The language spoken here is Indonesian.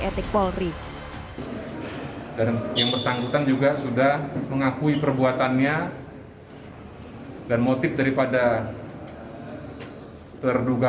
etik polri dan yang bersangkutan juga sudah mengakui perbuatannya dan motif daripada terduga